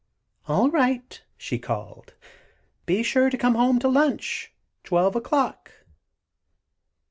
"All right," she called, "be sure to come home to lunch twelve o'clock."